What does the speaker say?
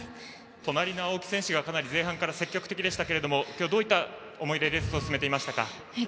隣の青木選手がかなり前半から積極的でしたが今日はどういった思いでレースを進めていましたか？